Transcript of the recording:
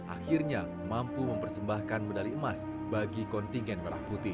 akhirnya mampu mempersembahkan medali emas bagi kontingen merah putih